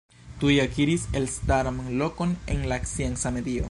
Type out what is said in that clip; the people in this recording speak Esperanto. Tuj akiris elstaran lokon en la scienca medio.